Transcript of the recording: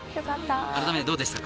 改めてどうですか？